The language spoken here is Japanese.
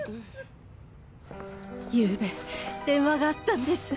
ゆうべ電話があったんです。